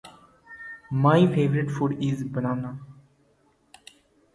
The band prefers the intimacy of smaller clubs and live appearances are sporadic.